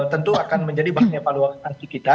tentu akan menjadi bahan evaluasi kita